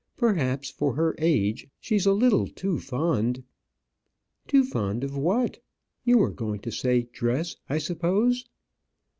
Perhaps, for her age, she's a little too fond " "Too fond of what? You were going to say dress, I suppose."